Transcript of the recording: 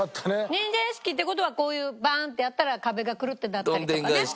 忍者屋敷って事はこういうバンってやったら壁がくるってなったりとかね。